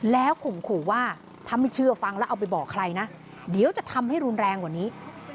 แล้วข่มขู่ว่าถ้าไม่เชื่อฟังแล้วเอาไปบอกใครนะเดี๋ยวจะทำให้รุนแรงกว่านี้